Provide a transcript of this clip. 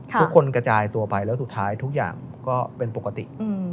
กระจายตัวไปแล้วสุดท้ายทุกอย่างก็เป็นปกติ